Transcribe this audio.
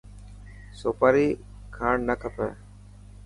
سوپاري کان نه کپي.